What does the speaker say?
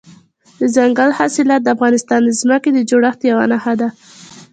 دځنګل حاصلات د افغانستان د ځمکې د جوړښت یوه نښه ده.